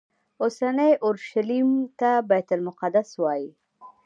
اوسني اورشلیم ته بیت المقدس وایي.